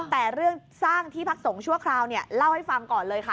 แต่เรื่องสร้างที่พักสงฆ์ชั่วคราวเนี่ยเล่าให้ฟังก่อนเลยค่ะ